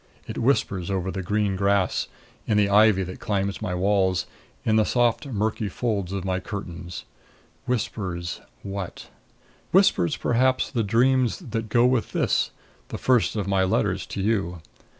It whispers over the green grass, in the ivy that climbs my wall, in the soft murky folds of my curtains. Whispers what? Whispers, perhaps, the dreams that go with this, the first of my letters to you.